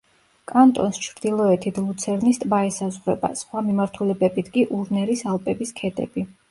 კანტონს ჩრდილოეთით ლუცერნის ტბა ესაზღვრება, სხვა მიმართულებებით კი ურნერის ალპების ქედები.